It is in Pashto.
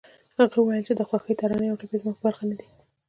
هغې وويل چې د خوښۍ ترانې او ټپې زما په برخه نه دي